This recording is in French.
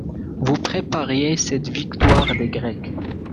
Vous prépariez cette victoire des Grecs.